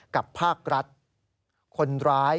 กับภาครัฐคนร้าย